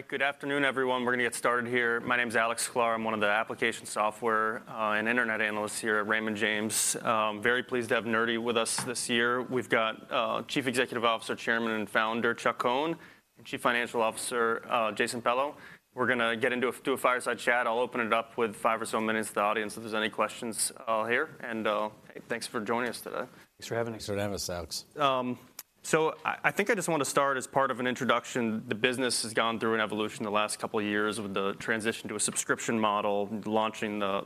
All right. Good afternoon, everyone. We're gonna get started here. My name is Alex Sklar. I'm one of the application software and internet analysts here at Raymond James. Very pleased to have Nerdy with us this year. We've got Chief Executive Officer, Chairman, and Founder, Chuck Cohn, and Chief Financial Officer, Jason Pello. We're gonna get into do a fireside chat. I'll open it up with five or so minutes to the audience if there's any questions here. Hey, thanks for joining us today. Thanks for having us. Thanks for having us, Alex. So, I think I just want to start as part of an introduction. The business has gone through an evolution the last couple of years with the transition to a subscription model, launching the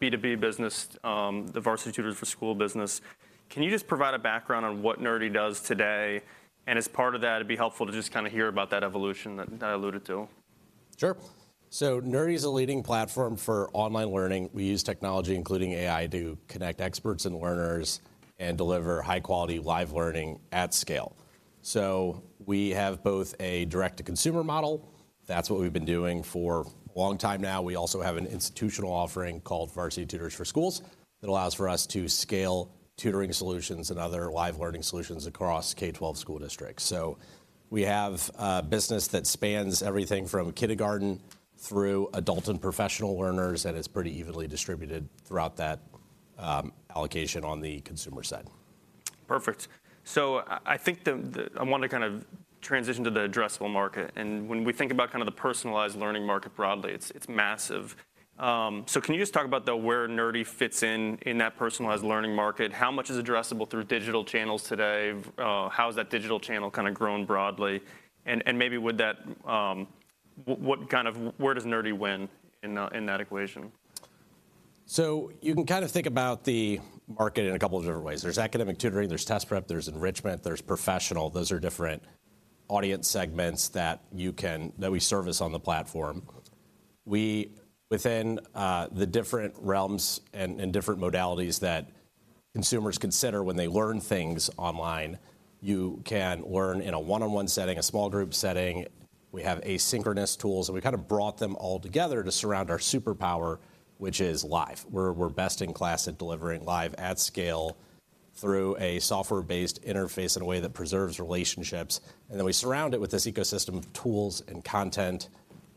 B2B business, the Varsity Tutors for Schools business. Can you just provide a background on what Nerdy does today? And as part of that, it'd be helpful to just kinda hear about that evolution that I alluded to. Sure. So Nerdy is a leading platform for online learning. We use technology, including AI, to connect experts and learners and deliver high-quality live learning at scale. So we have both a direct-to-consumer model, that's what we've been doing for a long time now. We also have an institutional offering called Varsity Tutors for Schools that allows for us to scale tutoring solutions and other live learning solutions across K-12 school districts. So we have a business that spans everything from kindergarten through adult and professional learners, and it's pretty evenly distributed throughout that, allocation on the consumer side. Perfect. So I think I want to kind of transition to the addressable market, and when we think about kind of the personalized learning market broadly, it's massive. So can you just talk about, though, where Nerdy fits in that personalized learning market? How much is addressable through digital channels today? How has that digital channel kinda grown broadly? And maybe where does Nerdy win in that equation? So you can kind of think about the market in a couple of different ways. There's academic tutoring, there's test prep, there's enrichment, there's professional. Those are different audience segments that we service on the platform. We, within the different realms and different modalities that consumers consider when they learn things online, you can learn in a one-on-one setting, a small group setting. We have asynchronous tools, and we kind of brought them all together to surround our superpower, which is live. We're best in class at delivering live at scale through a software-based interface in a way that preserves relationships. And then we surround it with this ecosystem of tools and content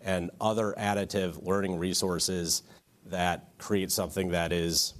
and other additive learning resources that create something that is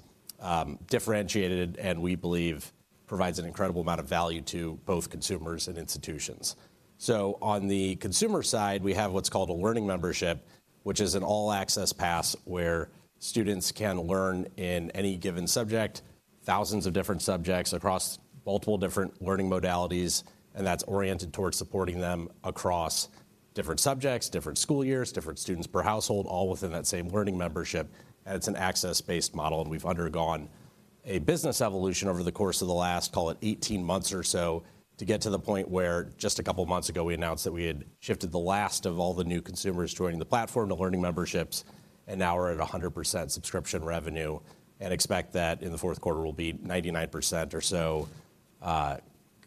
differentiated and we believe provides an incredible amount of value to both consumers and institutions. So on the consumer side, we have what's called a Learning Membership, which is an all-access pass where students can learn in any given subject, thousands of different subjects across multiple different learning modalities, and that's oriented towards supporting them across different subjects, different school years, different students per household, all within that same Learning Membership. And it's an access-based model, and we've undergone a business evolution over the course of the last, call it, 18 months or so, to get to the point where just a couple of months ago, we announced that we had shifted the last of all the new consumers joining the platform to Learning Memberships, and now we're at 100% subscription revenue and expect that in the fourth quarter will be 99% or so,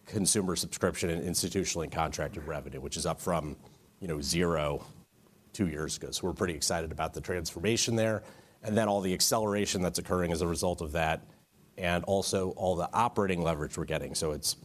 consumer subscription and institutional and contracted revenue, which is up from, you know, zero two years ago. So we're pretty excited about the transformation there, and then all the acceleration that's occurring as a result of that, and also all the operating leverage we're getting. So it's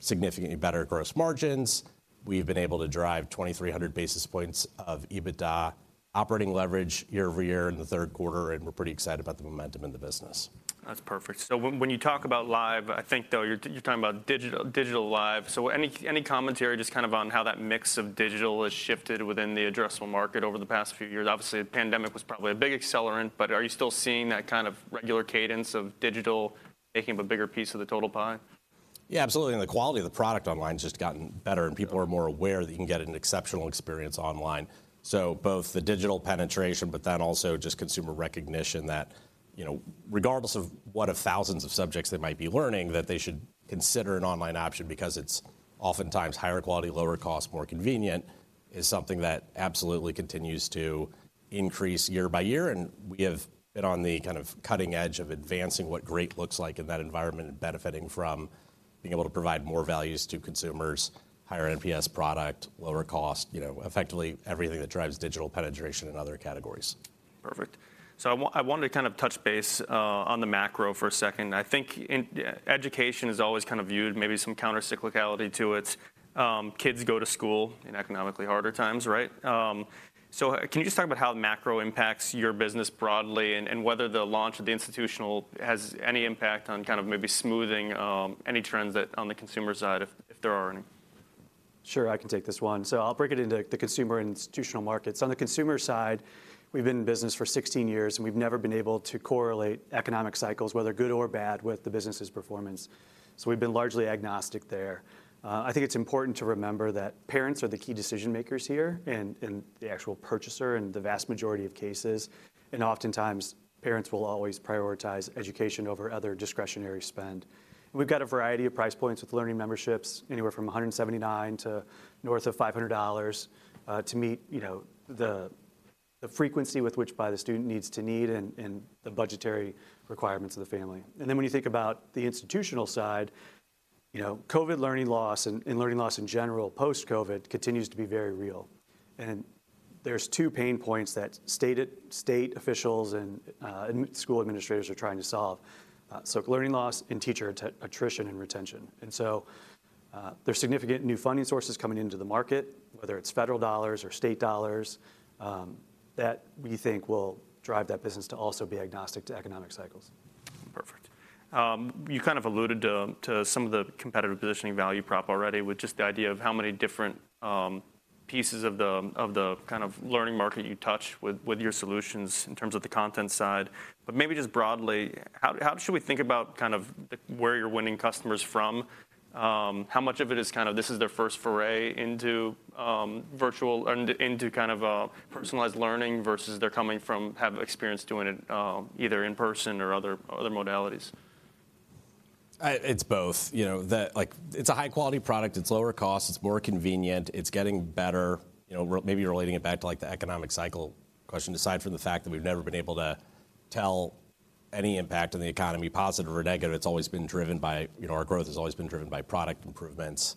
significantly better gross margins. We've been able to drive 2,300 basis points of EBITDA operating leverage year-over-year in the third quarter, and we're pretty excited about the momentum in the business. That's perfect. So when you talk about live, I think, though, you're talking about digital live. So any commentary just kind of on how that mix of digital has shifted within the addressable market over the past few years? Obviously, the pandemic was probably a big accelerant, but are you still seeing that kind of regular cadence of digital making up a bigger piece of the total pie? Yeah, absolutely, and the quality of the product online has just gotten better, and people are more aware that you can get an exceptional experience online. So both the digital penetration, but then also just consumer recognition that, you know, regardless of one of thousands of subjects they might be learning, that they should consider an online option because it's oftentimes higher quality, lower cost, more convenient, is something that absolutely continues to increase year by year. And we have been on the kind of cutting edge of advancing what great looks like in that environment and benefiting from being able to provide more values to consumers, higher NPS product, lower cost, you know, effectively everything that drives digital penetration in other categories. Perfect. So I wanted to kind of touch base on the macro for a second. I think in education is always kind of viewed, maybe some countercyclicality to it. Kids go to school in economically harder times, right? So can you just talk about how the macro impacts your business broadly and whether the launch of the institutional has any impact on kind of maybe smoothing any trends that on the consumer side, if there are any? Sure, I can take this one. So I'll break it into the consumer and institutional markets. On the consumer side, we've been in business for 16 years, and we've never been able to correlate economic cycles, whether good or bad, with the business's performance. So we've been largely agnostic there. I think it's important to remember that parents are the key decision-makers here and the actual purchaser in the vast majority of cases, and oftentimes, parents will always prioritize education over other discretionary spend. We've got a variety of price points with Learning Memberships, anywhere from $179 to north of $500, to meet, you know, the frequency with which the student needs and the budgetary requirements of the family. And then when you think about the institutional side, you know, COVID learning loss and learning loss in general, post-COVID, continues to be very real. There's two pain points that state officials and school administrators are trying to solve, so learning loss and teacher attrition and retention. So, there's significant new funding sources coming into the market, whether it's federal dollars or state dollars, that we think will drive that business to also be agnostic to economic cycles. Perfect. You kind of alluded to some of the competitive positioning value prop already with just the idea of how many different pieces of the kind of learning market you touch with your solutions in terms of the content side. But maybe just broadly, how should we think about kind of where you're winning customers from? How much of it is kind of this is their first foray into virtual and into kind of personalized learning versus they're coming from, have experience doing it, either in person or other modalities? It's both. You know, the, like, it's a high-quality product, it's lower cost, it's more convenient, it's getting better. You know, we're maybe relating it back to, like, the economic cycle question, aside from the fact that we've never been able to tell any impact on the economy, positive or negative, it's always been driven by you know, our growth has always been driven by product improvements.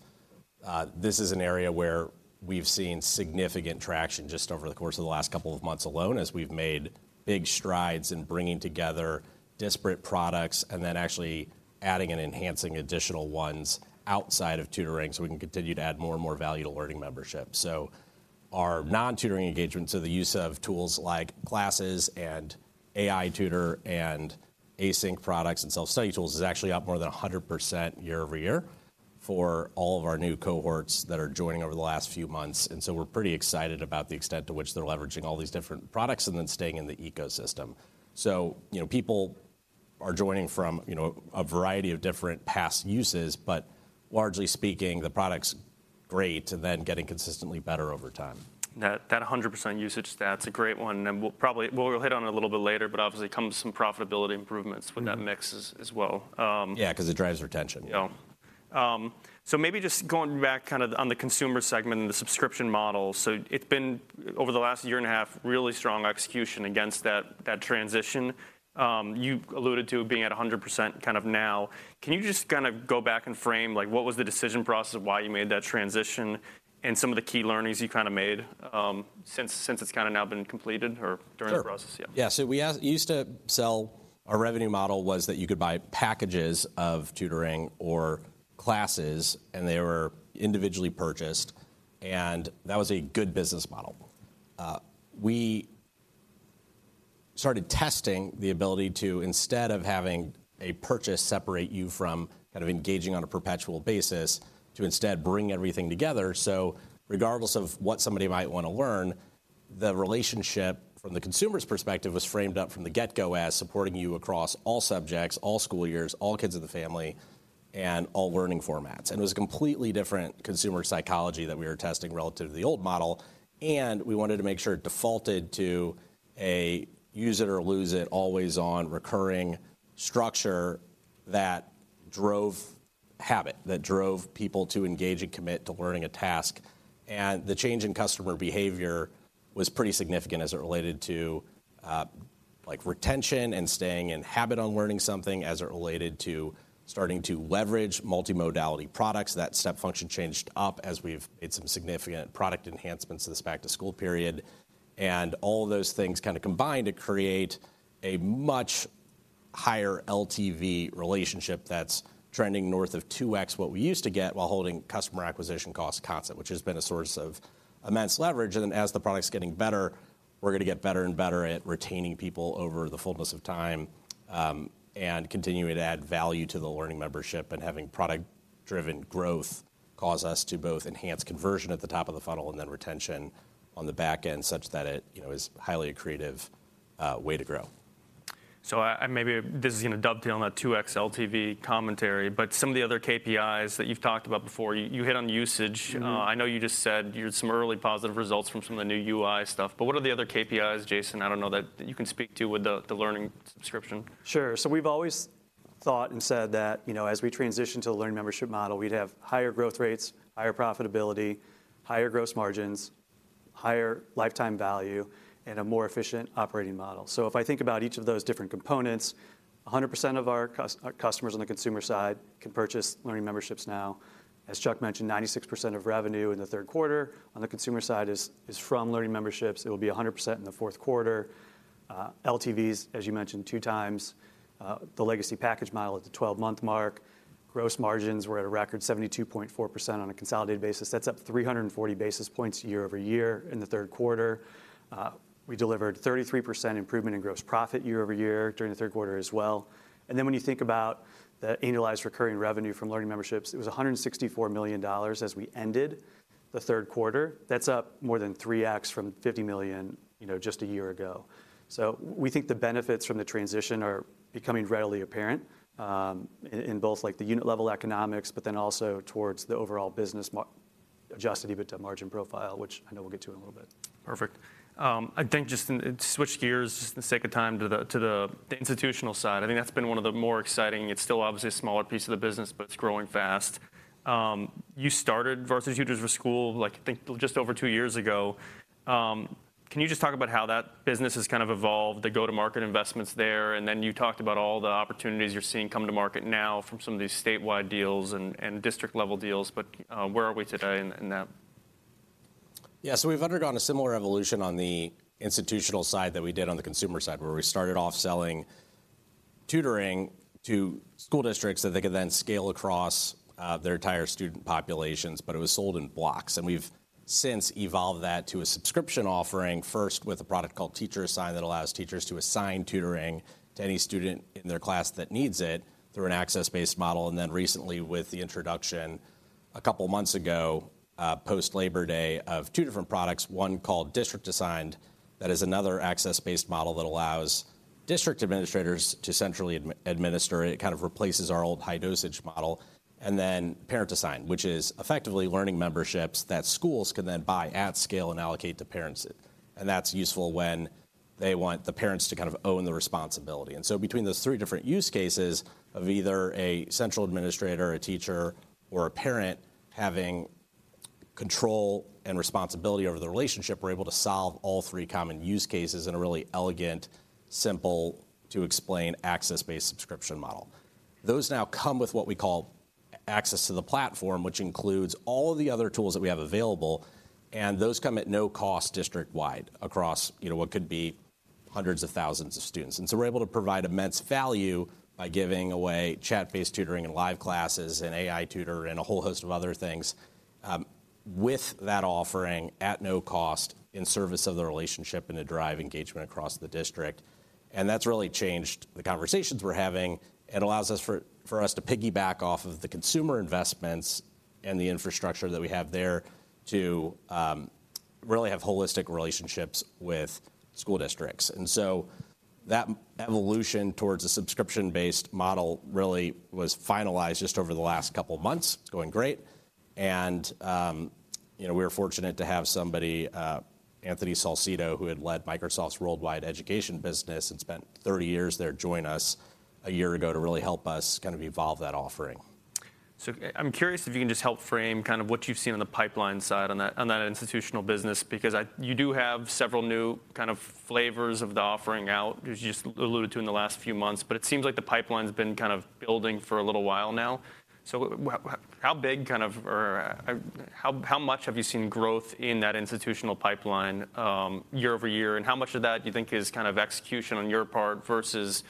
This is an area where we've seen significant traction just over the course of the last couple of months alone, as we've made big strides in bringing together disparate products and then actually adding and enhancing additional ones outside of tutoring, so we can continue to add more and more value to Learning Membership. So our non-tutoring engagement, so the use of tools like Classes, and AI Tutor, and Async products, and self-study tools, is actually up more than 100% year-over-year for all of our new cohorts that are joining over the last few months. And so we're pretty excited about the extent to which they're leveraging all these different products and then staying in the ecosystem. So, you know, people are joining from, you know, a variety of different past uses, but largely speaking, the product's great and then getting consistently better over time. That 100% usage stat's a great one, and we'll probably... we'll hit on it a little bit later, but obviously, it comes with some profitability improvements- Mm-hmm. -with that mix as well- Yeah, 'cause it drives retention. Yeah. So maybe just going back kind of on the consumer segment and the subscription model. So it's been, over the last year and a half, really strong execution against that, that transition. You alluded to it being at 100% kind of now. Can you just kinda go back and frame, like, what was the decision process of why you made that transition and some of the key learnings you kinda made, since, since it's kinda now been completed or- Sure. during the process? Yeah. Yeah, so we used to sell... Our revenue model was that you could buy packages of tutoring or classes, and they were individually purchased, and that was a good business model. We started testing the ability to, instead of having a purchase separate you from kind of engaging on a perpetual basis, to instead bring everything together. So regardless of what somebody might wanna learn, the relationship from the consumer's perspective, was framed up from the get-go as supporting you across all subjects, all school years, all kids in the family, and all learning formats. And it was a completely different consumer psychology that we were testing relative to the old model, and we wanted to make sure it defaulted to a use-it-or-lose-it, always-on recurring structure that drove habit, that drove people to engage and commit to learning a task. The change in customer behavior was pretty significant as it related to, like, retention and staying in habit on learning something, as it related to starting to leverage multimodality products. That step function changed up as we've made some significant product enhancements this back-to-school period, and all of those things kinda combined to create a much higher LTV relationship that's trending north of 2x what we used to get, while holding customer acquisition costs constant, which has been a source of immense leverage. And then as the product's getting better, we're gonna get better and better at retaining people over the fullness of time, and continuing to add value to the Learning Membership and having product-driven growth cause us to both enhance conversion at the top of the funnel and then retention on the back end, such that it, you know, is highly accretive way to grow. So, and maybe this is gonna dovetail on that 2x LTV commentary, but some of the other KPIs that you've talked about before, you hit on usage. Mm-hmm. I know you just said you had some early positive results from some of the new UI stuff, but what are the other KPIs, Jason, I don't know, that you can speak to with the learning subscription? Sure. So we've always thought and said that, you know, as we transition to a Learning Membership model, we'd have higher growth rates, higher profitability, higher gross margins, higher lifetime value, and a more efficient operating model. So if I think about each of those different components, 100% of our customers on the consumer side can purchase Learning Memberships now. As Chuck mentioned, 96% of revenue in the third quarter on the consumer side is from Learning Memberships. It will be 100% in the fourth quarter. LTVs, as you mentioned, 2x the legacy package model at the 12-month mark. Gross margins were at a record 72.4% on a consolidated basis. That's up 340 basis points year-over-year in the third quarter. We delivered 33% improvement in gross profit year-over-year during the third quarter as well. And then, when you think about the annualized recurring revenue from Learning Memberships, it was $164 million as we ended the third quarter. That's up more than 3x from $50 million, you know, just a year ago. So we think the benefits from the transition are becoming readily apparent, in both, like, the unit-level economics, but then also towards the overall business adjusted EBITDA margin profile, which I know we'll get to in a little bit. Perfect. I think just to switch gears, just for the sake of time, to the institutional side, I think that's been one of the more exciting... It's still obviously a smaller piece of the business, but it's growing fast. You started Varsity Tutors for Schools, like, I think, just over two years ago. Can you just talk about how that business has kind of evolved, the go-to-market investments there, and then you talked about all the opportunities you're seeing come to market now from some of these statewide deals and district-level deals, but where are we today in that? Yeah, so we've undergone a similar evolution on the institutional side that we did on the consumer side, where we started off selling tutoring to school districts that they could then scale across their entire student populations, but it was sold in blocks. And we've since evolved that to a subscription offering, first with a product called Teacher Assigned, that allows teachers to assign tutoring to any student in their class that needs it through an access-based model, and then recently, with the introduction a couple of months ago, post Labor Day, of two different products, one called District Assigned. That is another access-based model that allows district administrators to centrally administer it. It kind of replaces our old high-dosage model. And then Parent Assign, which is effectively Learning Memberships that schools can then buy at scale and allocate to parents. And that's useful when they want the parents to kind of own the responsibility. And so between those three different use cases of either a central administrator or a teacher or a parent having control and responsibility over the relationship, we're able to solve all three common use cases in a really elegant, simple-to-explain, access-based subscription model. Those now come with what we call access to the platform, which includes all of the other tools that we have available, and those come at no cost districtwide, across, you know, what could be hundreds of thousands of students. And so we're able to provide immense value by giving away chat-based tutoring and live classes and AI Tutor and a whole host of other things, with that offering at no cost in service of the relationship and to drive engagement across the district. And that's really changed the conversations we're having and allows us to piggyback off of the consumer investments and the infrastructure that we have there to really have holistic relationships with school districts. And so that evolution towards a subscription-based model really was finalized just over the last couple of months. It's going great. And, you know, we were fortunate to have somebody, Anthony Salcito, who had led Microsoft's worldwide education business and spent 30 years there, join us a year ago to really help us kind of evolve that offering. So I'm curious if you can just help frame kind of what you've seen on the pipeline side on that, on that institutional business, because you do have several new kind of flavors of the offering out, as you just alluded to in the last few months, but it seems like the pipeline's been kind of building for a little while now. So how big, kind of, or how, how much have you seen growth in that institutional pipeline, year over year, and how much of that do you think is kind of execution on your part versus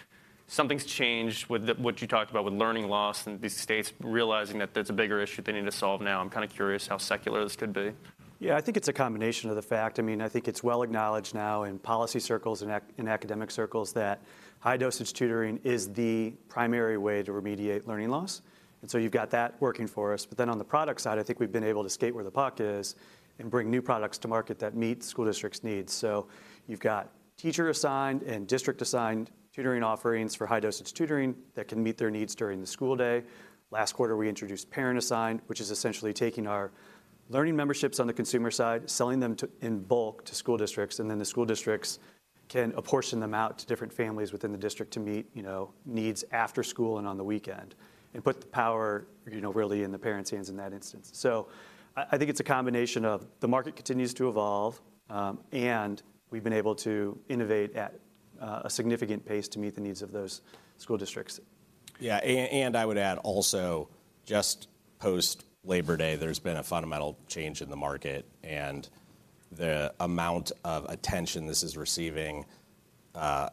something's changed with the, what you talked about with learning loss and these states realizing that that's a bigger issue they need to solve now? I'm kind of curious how secular this could be. Yeah, I think it's a combination of the fact. I mean, I think it's well acknowledged now in policy circles and in academic circles, that high-dosage tutoring is the primary way to remediate learning loss, and so you've got that working for us. But then on the product side, I think we've been able to skate where the puck is and bring new products to market that meet school districts' needs. So you've got teacher-assigned and district-assigned tutoring offerings for high-dosage tutoring that can meet their needs during the school day. Last quarter, we introduced Parent Assign, which is essentially taking our Learning Memberships on the consumer side, selling them in bulk to school districts, and then the school districts can apportion them out to different families within the district to meet, you know, needs after school and on the weekend and put the power, you know, really in the parents' hands in that instance. So I, I think it's a combination of the market continues to evolve, and we've been able to innovate at a significant pace to meet the needs of those school districts. Yeah, and I would add also, just post Labor Day, there's been a fundamental change in the market and the amount of attention this is receiving,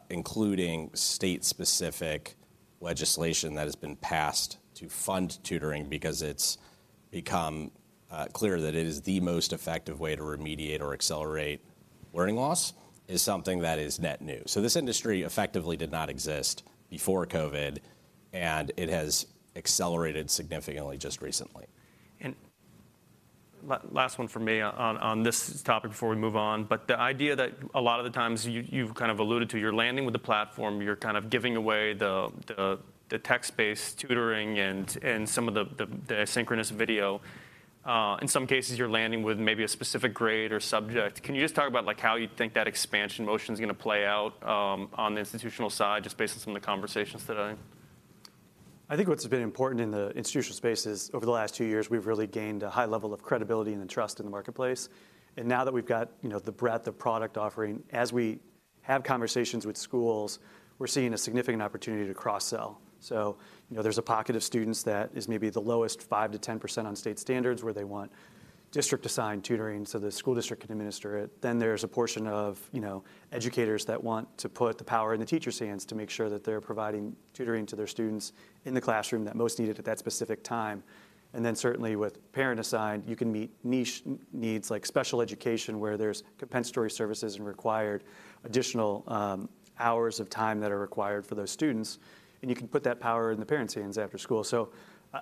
including state-specific legislation that has been passed to fund tutoring, because it's become clear that it is the most effective way to remediate or accelerate learning loss, is something that is net new. So this industry effectively did not exist before COVID, and it has accelerated significantly just recently. And last one from me on this topic before we move on, but the idea that a lot of the times you've kind of alluded to, you're landing with the platform, you're kind of giving away the text-based tutoring and some of the asynchronous video. In some cases, you're landing with maybe a specific grade or subject. Can you just talk about, like, how you think that expansion motion is gonna play out on the institutional side, just based on some of the conversations today? I think what's been important in the institutional space is over the last two years, we've really gained a high level of credibility and trust in the marketplace. And now that we've got, you know, the breadth of product offering, as we have conversations with schools, we're seeing a significant opportunity to cross-sell. So, you know, there's a pocket of students that is maybe the lowest 5%-10% on state standards, where they want District Assigned tutoring, so the school district can administer it. Then there's a portion of, you know, educators that want to put the power in the teacher's hands to make sure that they're providing tutoring to their students in the classroom that most need it at that specific time. And then certainly with Parent Assign, you can meet niche needs like special education, where there's compensatory services and required additional hours of time that are required for those students, and you can put that power in the parents' hands after school. So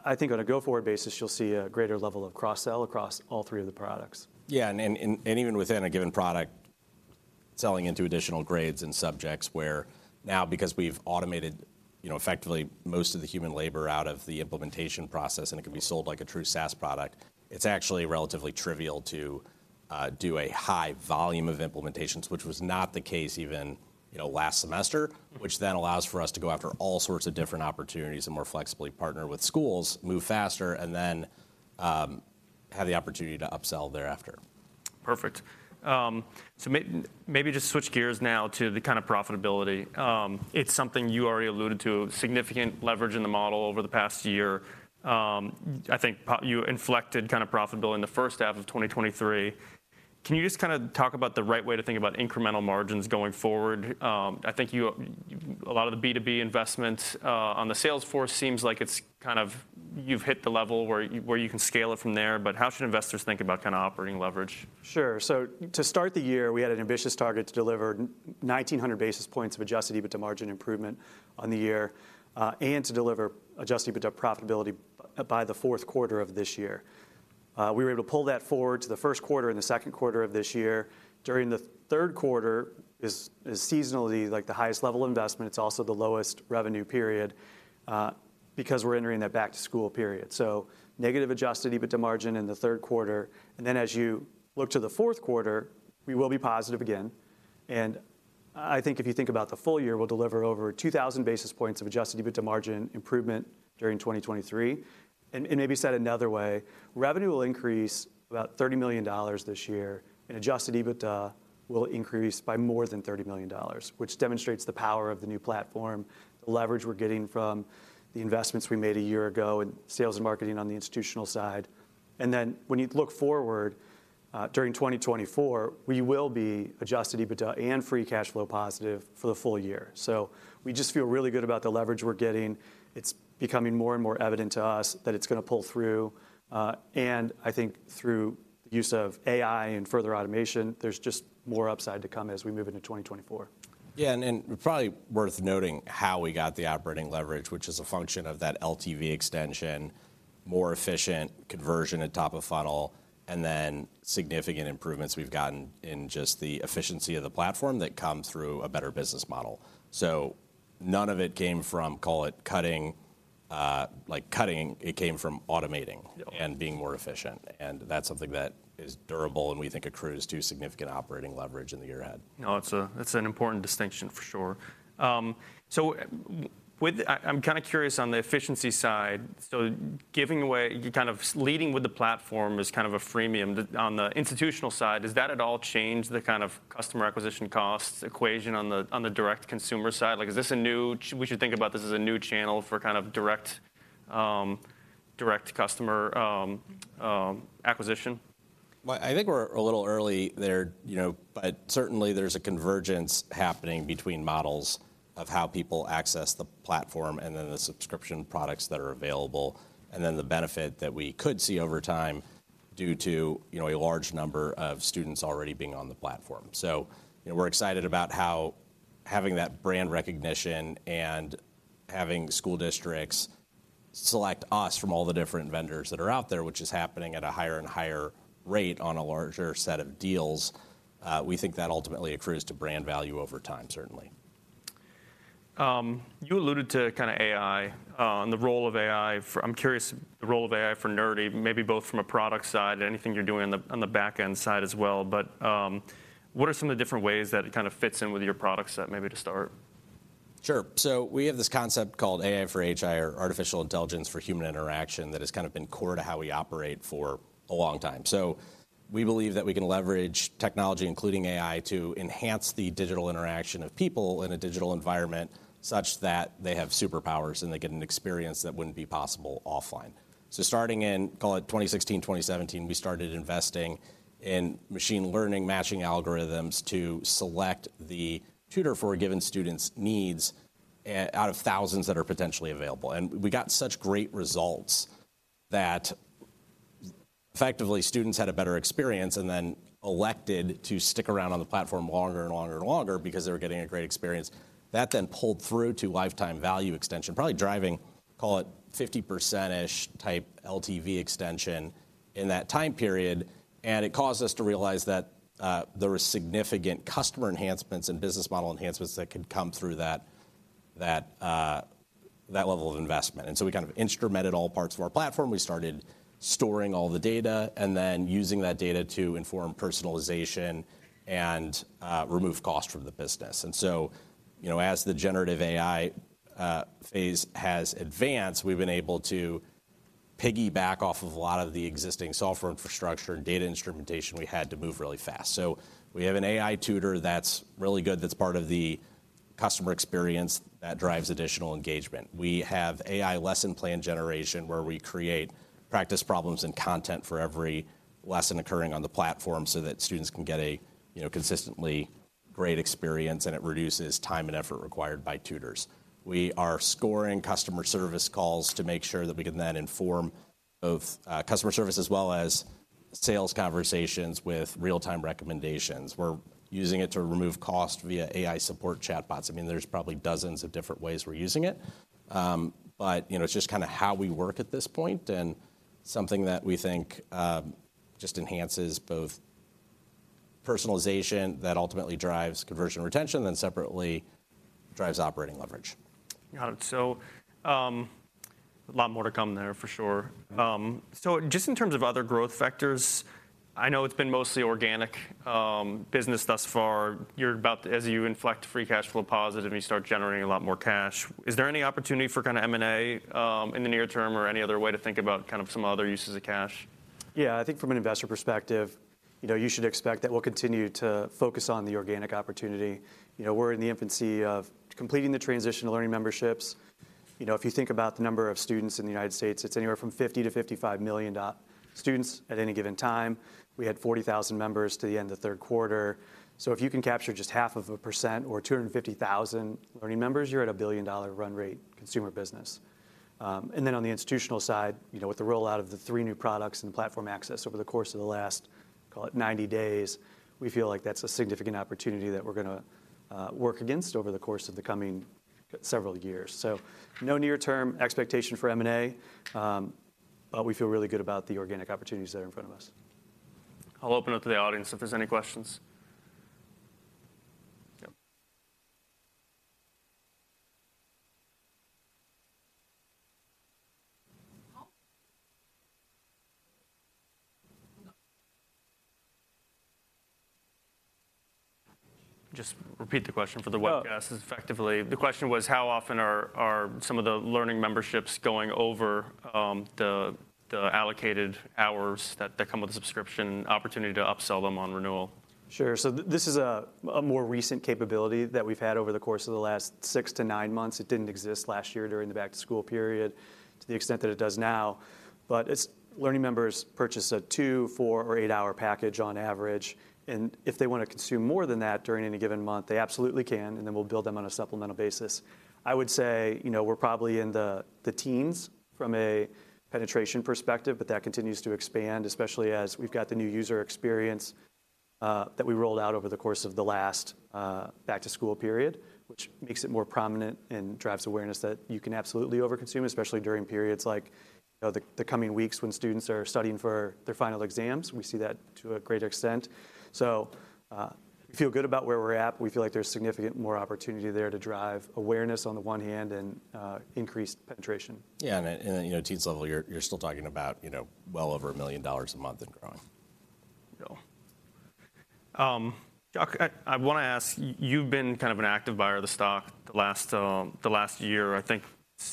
I think on a go-forward basis, you'll see a greater level of cross-sell across all three of the products. Yeah, and even within a given product, selling into additional grades and subjects where now, because we've automated, you know, effectively most of the human labor out of the implementation process, and it can be sold like a true SaaS product, it's actually relatively trivial to do a high volume of implementations, which was not the case even, you know, last semester, which then allows for us to go after all sorts of different opportunities and more flexibly partner with schools, move faster, and then have the opportunity to upsell thereafter. Perfect. So maybe just switch gears now to the kind of profitability. It's something you already alluded to, significant leverage in the model over the past year. I think you inflected kind of profitability in the first half of 2023. Can you just kind of talk about the right way to think about incremental margins going forward? I think you, a lot of the B2B investments on the sales force seems like it's kind of you've hit the level where you can scale it from there, but how should investors think about kind of operating leverage? Sure. So to start the year, we had an ambitious target to deliver 1,900 basis points of adjusted EBITDA margin improvement on the year, and to deliver adjusted EBITDA profitability by the fourth quarter of this year. We were able to pull that forward to the first quarter and the second quarter of this year. During the third quarter is seasonally like the highest level investment. It's also the lowest revenue period because we're entering that back to school period. So negative adjusted EBITDA margin in the third quarter, and then as you look to the fourth quarter, we will be positive again. And I think if you think about the full year, we'll deliver over 2,000 basis points of adjusted EBITDA margin improvement during 2023. And, and maybe said another way, revenue will increase about $30 million this year, and adjusted EBITDA will increase by more than $30 million, which demonstrates the power of the new platform, the leverage we're getting from the investments we made a year ago in sales and marketing on the institutional side. And then when you look forward, during 2024, we will be adjusted EBITDA and free cash flow positive for the full year. So we just feel really good about the leverage we're getting. It's becoming more and more evident to us that it's gonna pull through, and I think through the use of AI and further automation, there's just more upside to come as we move into 2024. Yeah, and probably worth noting how we got the operating leverage, which is a function of that LTV extension, more efficient conversion at top of funnel, and then significant improvements we've gotten in just the efficiency of the platform that come through a better business model. So none of it came from, call it cutting, like cutting, it came from automating- Yeah... and being more efficient, and that's something that is durable, and we think accrues to significant operating leverage in the year ahead. No, it's an important distinction, for sure. So, I'm kind of curious on the efficiency side. So giving away, you're kind of leading with the platform as kind of a freemium. On the institutional side, does that at all change the kind of customer acquisition costs equation on the direct consumer side? Like, we should think about this as a new channel for kind of direct customer acquisition? Well, I think we're a little early there, you know, but certainly there's a convergence happening between models of how people access the platform and then the subscription products that are available, and then the benefit that we could see over time due to, you know, a large number of students already being on the platform. So, you know, we're excited about how having that brand recognition and having school districts select us from all the different vendors that are out there, which is happening at a higher and higher rate on a larger set of deals, we think that ultimately accrues to brand value over time, certainly. You alluded to kind of AI, and the role of AI. I'm curious, the role of AI for Nerdy, maybe both from a product side and anything you're doing on the back-end side as well, but, what are some of the different ways that it kind of fits in with your product set, maybe to start? Sure. So we have this concept called AI for HI, or artificial intelligence for human interaction, that has kind of been core to how we operate for a long time. So we believe that we can leverage technology, including AI, to enhance the digital interaction of people in a digital environment, such that they have superpowers, and they get an experience that wouldn't be possible offline. So starting in, call it 2016, 2017, we started investing in machine learning, matching algorithms to select the tutor for a given student's needs, out of thousands that are potentially available. And we got such great results that effectively, students had a better experience and then elected to stick around on the platform longer and longer and longer because they were getting a great experience. That then pulled through to lifetime value extension, probably driving, call it 50%-ish type LTV extension in that time period, and it caused us to realize that there were significant customer enhancements and business model enhancements that could come through that level of investment. And so we kind of instrumented all parts of our platform. We started storing all the data and then using that data to inform personalization and remove cost from the business. And so, you know, as the generative AI phase has advanced, we've been able to piggyback off of a lot of the existing software infrastructure and data instrumentation we had to move really fast. So we have an AI tutor that's really good, that's part of the customer experience that drives additional engagement. We have AI lesson plan generation, where we create practice problems and content for every lesson occurring on the platform so that students can get a, you know, consistently great experience, and it reduces time and effort required by tutors. We are scoring customer service calls to make sure that we can then inform both, customer service, as well as sales conversations with real-time recommendations. We're using it to remove cost via AI support chatbots. I mean, there's probably dozens of different ways we're using it. But, you know, it's just kind of how we work at this point, and something that we think, just enhances both personalization that ultimately drives conversion and retention, then separately drives operating leverage. Got it. So, a lot more to come there for sure. Mm-hmm. So, just in terms of other growth vectors, I know it's been mostly organic business thus far. As you inflect free cash flow positive, and you start generating a lot more cash, is there any opportunity for kind of M&A in the near term or any other way to think about kind of some other uses of cash? Yeah, I think from an investor perspective, you know, you should expect that we'll continue to focus on the organic opportunity. You know, we're in the infancy of completing the transition to Learning Memberships. You know, if you think about the number of students in the United States, it's anywhere from 50-55 million students at any given time. We had 40,000 members to the end of the third quarter. So if you can capture just 0.5% or 250,000 learning members, you're at a billion-dollar run rate consumer business. And then on the institutional side, you know, with the rollout of the three new products and the platform access over the course of the last, call it, 90 days, we feel like that's a significant opportunity that we're gonna work against over the course of the coming several years. So no near-term expectation for M&A, but we feel really good about the organic opportunities that are in front of us. I'll open up to the audience if there's any questions. Yep. How? No. Just repeat the question for the webcast. Oh. Effectively, the question was, how often are some of the Learning Memberships going over the allocated hours that come with a subscription opportunity to upsell them on renewal? Sure. This is a more recent capability that we've had over the course of the last 6-9 months. It didn't exist last year during the back-to-school period, to the extent that it does now. But it's Learning Members purchase a two, four, or eight-hour package on average, and if they want to consume more than that during any given month, they absolutely can, and then we'll bill them on a supplemental basis. I would say, you know, we're probably in the teens from a penetration perspective, but that continues to expand, especially as we've got the new user experience that we rolled out over the course of the last back-to-school period, which makes it more prominent and drives awareness that you can absolutely overconsume, especially during periods like, you know, the coming weeks when students are studying for their final exams. We see that to a greater extent. So, we feel good about where we're at. We feel like there's significant more opportunity there to drive awareness on the one hand and increase penetration. Yeah, and, you know, teens level, you're still talking about, you know, well over $1 million a month and growing. Yeah. Chuck, I wanna ask, you've been kind of an active buyer of the stock the last year, I think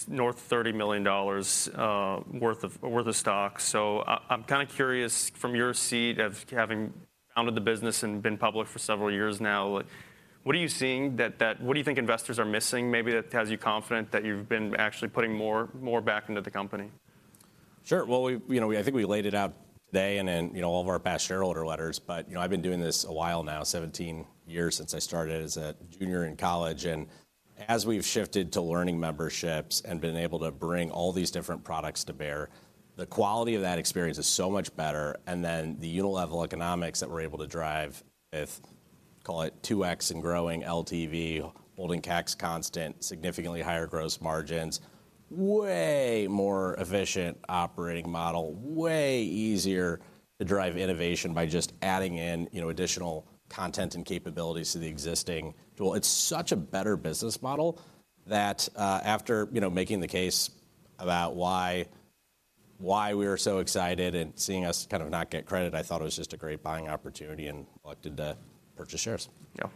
north of $30 million worth of stock. So I'm kinda curious, from your seat of having founded the business and been public for several years now, what are you seeing... What do you think investors are missing maybe that has you confident that you've been actually putting more back into the company? Sure. Well, we, you know, I think we laid it out today and in, you know, all of our past shareholder letters, but, you know, I've been doing this a while now, 17 years since I started as a junior in college, and as we've shifted to Learning Memberships and been able to bring all these different products to bear, the quality of that experience is so much better, and then the unit-level economics that we're able to drive with, call it 2x and growing LTV, holding CACs constant, significantly higher gross margins, way more efficient operating model, way easier to drive innovation by just adding in, you know, additional content and capabilities to the existing tool. It's such a better business model that, after, you know, making the case about why we were so excited and seeing us kind of not get credit, I thought it was just a great buying opportunity and elected to purchase shares. Yeah. All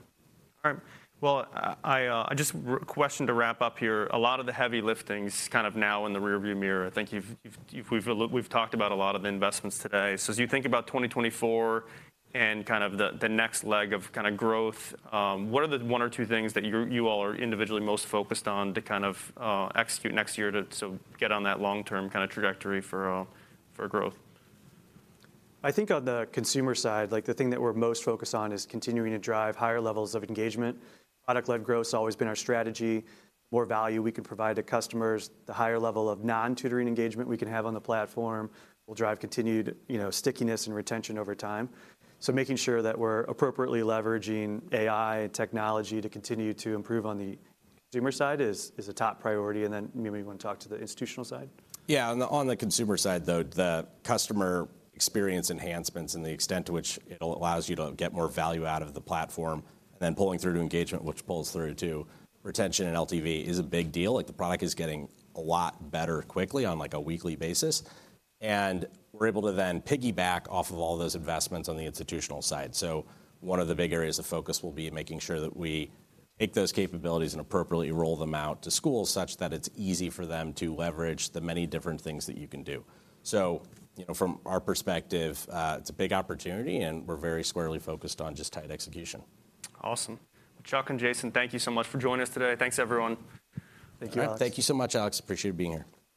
right. Well, I just have a question to wrap up here, a lot of the heavy lifting's kind of now in the rearview mirror. I think you've—we've talked about a lot of the investments today. So as you think about 2024 and kind of the next leg of kind of growth, what are the one or two things that you all are individually most focused on to kind of execute next year to sort of get on that long-term kind of trajectory for growth? I think on the consumer side, like, the thing that we're most focused on is continuing to drive higher levels of engagement. Product-led growth has always been our strategy. More value we can provide to customers, the higher level of non-tutoring engagement we can have on the platform, will drive continued, you know, stickiness and retention over time. So making sure that we're appropriately leveraging AI and technology to continue to improve on the consumer side is, is a top priority. And then, maybe you want to talk to the institutional side? Yeah, on the consumer side, though, the customer experience enhancements and the extent to which it allows you to get more value out of the platform, and then pulling through to engagement, which pulls through to retention and LTV, is a big deal. Like, the product is getting a lot better quickly on, like, a weekly basis, and we're able to then piggyback off of all those investments on the institutional side. So one of the big areas of focus will be making sure that we take those capabilities and appropriately roll them out to schools such that it's easy for them to leverage the many different things that you can do. So, you know, from our perspective, it's a big opportunity, and we're very squarely focused on just tight execution. Awesome. Chuck and Jason, thank you so much for joining us today. Thanks, everyone. Thank you, Alex. Thank you so much, Alex. Appreciate being here.